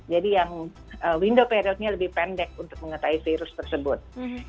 jadi yang window period nya lebih pendek untuk mengetahui virus tersebut